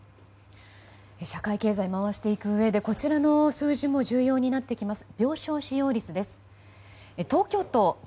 社会経済を回していくうえでこちらの数字も重要になってきます。